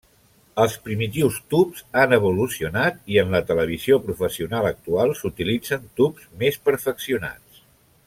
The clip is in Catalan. Els primitius tubs han evolucionat i, en la televisió professional actual, s'utilitzen tubs més perfeccionats.